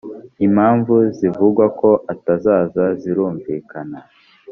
impamvu zivugwa ko atazaza zirumvikana